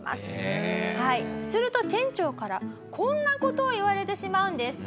はいすると店長からこんな事を言われてしまうんです。